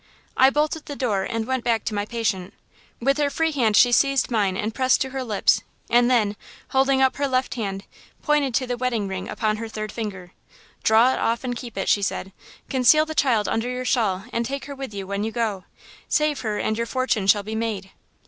"I bolted the door and went back to my patient. With her free hand she seized mine and pressed it to her lips and then, holding up her left hand, pointed to the wedding ring upon her third finger. "'Draw it off and keep it,' she said; 'conceal the child under your shawl and take her with you when you go! Save her and your fortune shall be made.'